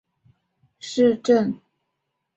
费尔泰姆是德国下萨克森州的一个市镇。